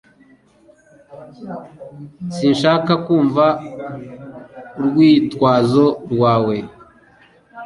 Sinshaka kumva urwitwazo rwawe